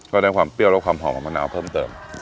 ได้ความเปรี้ยวและความหอมของมะนาวเพิ่มเติม